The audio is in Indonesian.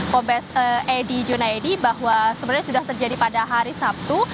pobes edi junaedi bahwa sebenarnya sudah terjadi pada hari sabtu